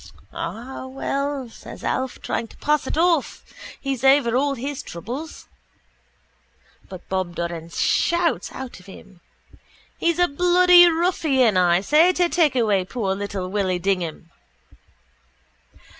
—Ah, well, says Alf, trying to pass it off. He's over all his troubles. But Bob Doran shouts out of him. —He's a bloody ruffian, I say, to take away poor little Willy Dignam.